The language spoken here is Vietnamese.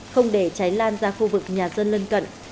không để cháy lan ra khu vực nhà dân lân cận